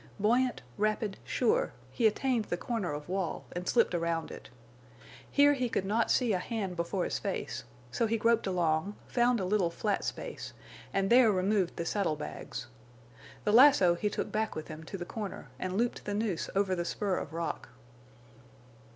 Buoyant, rapid, sure, he attained the corner of wall and slipped around it. Here he could not see a hand before his face, so he groped along, found a little flat space, and there removed the saddle bags. The lasso he took back with him to the corner and looped the noose over the spur of rock.